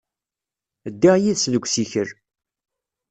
Ddiɣ yid-s deg usikel.